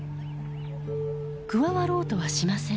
加わろうとはしません。